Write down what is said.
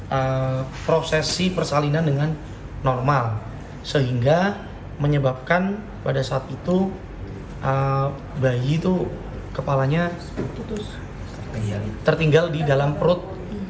dan prosesi persalinan dengan normal sehingga menyebabkan pada saat itu bayi itu kepalanya tertinggal di dalam perut